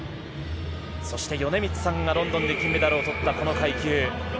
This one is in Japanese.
そして米満さんがロンドンで金メダルを取ったこの階級。